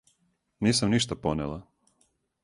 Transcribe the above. Нисам ништа понела.